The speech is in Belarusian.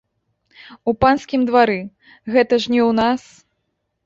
У панскім двары, гэта ж не ў нас.